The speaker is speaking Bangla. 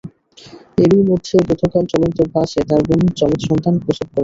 এরই মধ্যে গতকাল চলন্ত বাসে তাঁর বোন যমজ সন্তান প্রসব করেন।